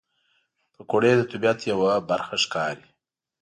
پکورې د طبیعت یوه برخه ښکاري